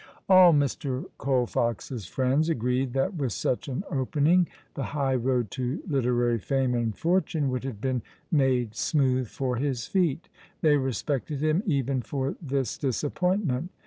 All Mr. Colfox's friends agreed that with such an ox)ening the high road to literary fame and fortune would have been made smooth for his feet. They resjpected him even for this disappointment.